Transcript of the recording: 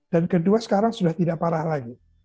dan kedua sekarang sudah tidak parah lagi